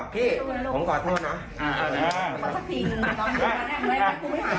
ขอสักพิงน้องพี่ก็ได้ไหม